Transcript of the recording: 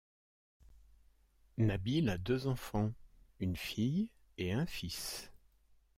Nabil a deux enfants, une fille et un fils.